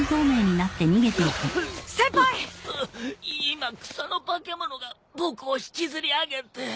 今草の化け物が僕を引きずり上げて。